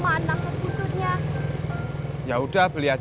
kagak lagi bikin kue kering babbe mau mesen kue